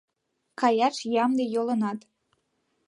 Каяш ямде йолынат».